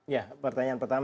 ya pertanyaan pertama